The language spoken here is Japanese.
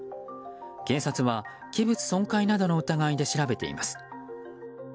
警察は、器物損壊などの疑いで調べています。